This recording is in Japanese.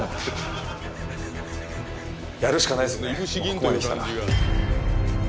ここまできたら。